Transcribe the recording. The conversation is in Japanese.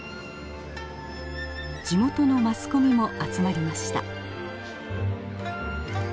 地元のマスコミも集まりました。